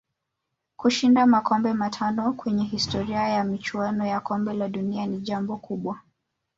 Kushinda makombe matano kwenye historia ya michuano ya kombe la dunia ni jambo kubwa